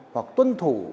hoặc tuân thủ